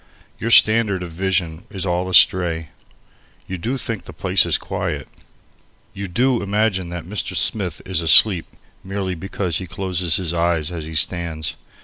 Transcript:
Your standard of vision is all astray, You do think the place is quiet. You do imagine that Mr. Smith is asleep merely because he closes his eyes as he stands.